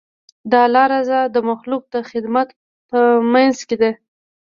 د الله رضا د مخلوق د خدمت په منځ کې ده.